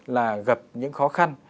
là gặp những khó khăn